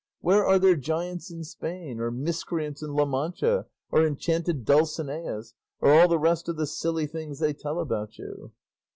Where are there giants in Spain or miscreants in La Mancha, or enchanted Dulcineas, or all the rest of the silly things they tell about you?"